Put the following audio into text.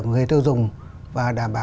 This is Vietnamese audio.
của người tiêu dùng và đảm bảo